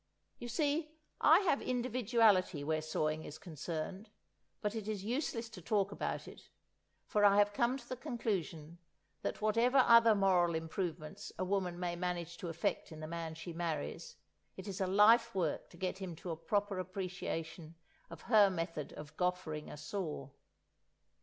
You see, I have individuality where sawing is concerned, but it is useless to talk about it, for I've come to the conclusion that whatever other moral improvements a woman may manage to effect in the man she marries, it is a lifework to get him to a proper appreciation of her method of goffering a saw!